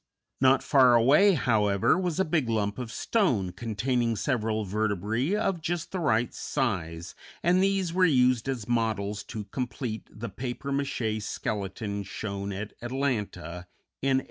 Not far away, however, was a big lump of stone containing several vertebræ of just the right size, and these were used as models to complete the papier maché skeleton shown at Atlanta, in 1894.